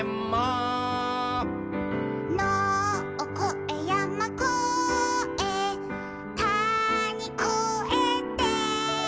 「のをこえやまこえたにこえて」